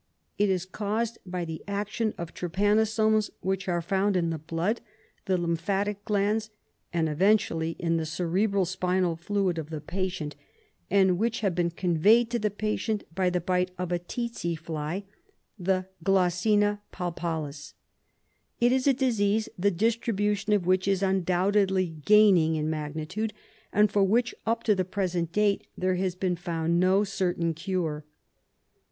It is caused by the action of trypanosomes which are found in the blood, the lymphatic glands, and eventually in the cerebro spinal fluid of the patient, and which have been conveyed to the patient by the bite of a tsetse fly, the Glossina palpalis. It is a disease the distribution of which is undoubtedly gaining in magnitude, and for which, up to the present date, there has been found no certain cure.